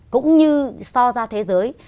cũng như so ra thế giới